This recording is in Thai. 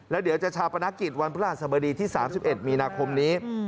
แล้วเดี๋ยวจะชาปนกิจวันพระราชสบดีที่๓๑มีนาคมนี้